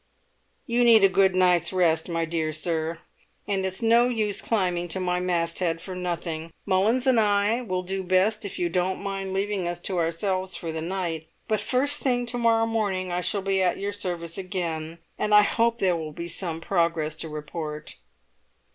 "You need a good night's rest, my dear sir, and it's no use climbing to my masthead for nothing. Mullins and I will do best if you don't mind leaving us to ourselves for the night; but first thing tomorrow morning I shall be at your service again, and I hope there will be some progress to report."